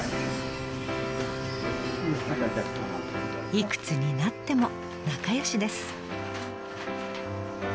［幾つになっても仲良しです］